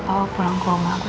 bawa pulang ke rumah